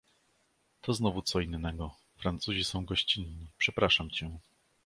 "to znowu co innego; Francuzi są gościnni, przepraszam cię."